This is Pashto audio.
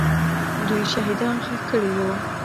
دوی شهیدان ښخ کړي وو.